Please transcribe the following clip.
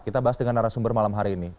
kita bahas dengan arah sumber malam hari ini